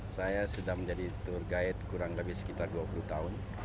saya sudah menjadi tour guide kurang lebih sekitar dua puluh tahun